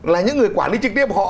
là những người quản lý trực tiếp họ